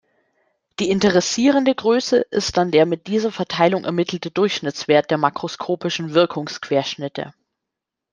Die interessierende Größe ist dann der mit dieser Verteilung ermittelte Durchschnittswert der makroskopischen Wirkungsquerschnitte.